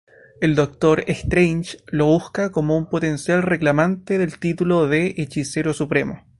El Doctor Strange lo busca como un potencial reclamante del título de Hechicero Supremo.